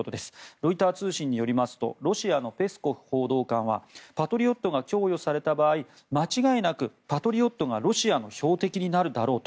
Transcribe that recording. ロイター通信によりますとロシアのペスコフ報道官はパトリオットが供与された場合間違いなくパトリオットがロシアの標的になるだろうと。